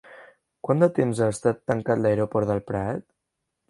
Quant de temps ha estat tancat l'aeroport del Prat?